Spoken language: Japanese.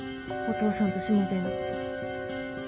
お父さんとしもべえのこと。